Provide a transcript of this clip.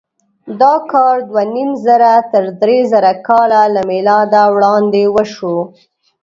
دا کار دوهنیمزره تر درېزره کاله له مېلاده وړاندې وشو.